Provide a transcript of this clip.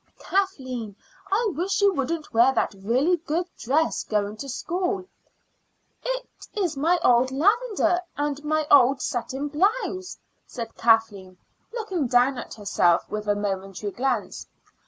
"Kathleen, I wish you wouldn't wear that really good dress going to school." "Is it my old lavender, and my old satin blouse?" said Kathleen, looking down at herself with a momentary glance.